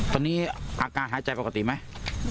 ตอนนี้อาการหายใจปกติไหม